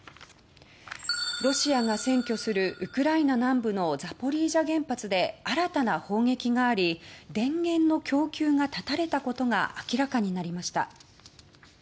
ロシアが占拠するウクライナ南部のザポリージャ原発で新たな砲撃があり電源の供給が断たれたことが明らかになりました。